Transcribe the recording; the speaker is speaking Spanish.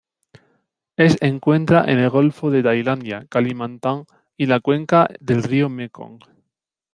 Es encuentra en el golfo de Tailandia, Kalimantan y la cuenca del río Mekong.